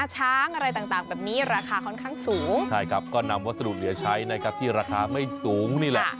ใช่ครับก็นำวัสดุเหลือใช้นะครับที่ราคาไม่สูงนี่แหละ